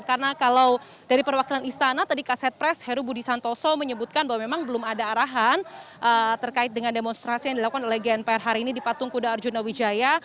karena kalau dari perwakilan istana tadi kaset pres heru budi santoso menyebutkan bahwa memang belum ada arahan terkait dengan demonstrasi yang dilakukan oleh gnpr hari ini di patung kuda arjuna wijaya